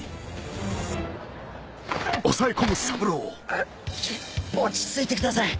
うっ落ち着いてください。